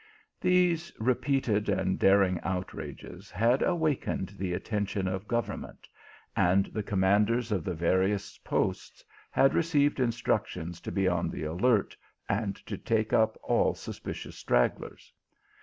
These repeated and daring outrages had awakened the attention of government, and the commanders of the various posts had received instructions to be on the alert, and to take up all suspicious strag glers.